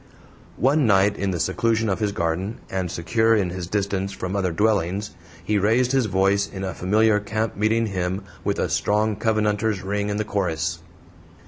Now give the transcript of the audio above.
One night, in the seclusion of his garden, and secure in his distance from other dwellings, he raised his voice in a familiar camp meeting hymn with a strong Covenanter's ring in the chorus.